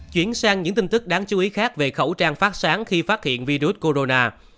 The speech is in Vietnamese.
chuyển sang những tin tức đáng chú ý khác về khẩu trang phát sáng khi phát hiện virus corona